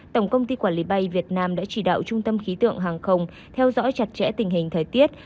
tổng công ty quản lý bay việt nam đã chỉ đạo trung tâm khí tượng hàng không theo dõi chặt chẽ tình hình thời tiết